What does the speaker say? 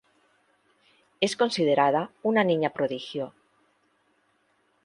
Es considerada una niña prodigio.